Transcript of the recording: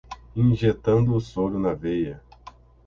Injetando o soro na veia